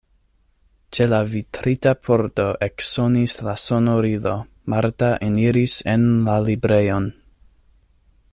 Ĉe la vitrita pordo eksonis la sonorilo, Marta eniris en la librejon.